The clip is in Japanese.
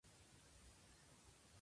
諦めないで